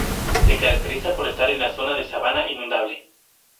Se caracteriza por estar en la zona de sabana inundable.